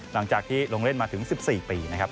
หลังจากที่ลงเล่นมาถึง๑๔ปีนะครับ